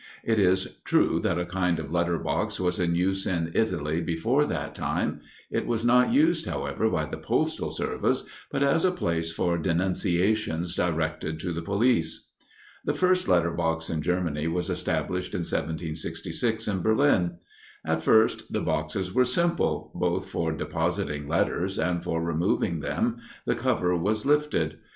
It is true that a kind of letter box was in use in Italy before that time; it was not used, however, by the postal service, but as a place for denunciations directed to the police. The first letter box in Germany was established in 1766, in Berlin. At first the boxes were simple; both for depositing letters and for removing them the cover was lifted.